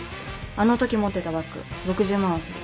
あのとき持ってたバッグ６０万はする